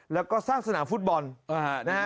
แล้วก็สร้างสนามฟุตบอลนะฮะ